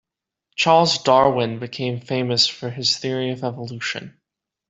Charles Darwin became famous for his theory of evolution.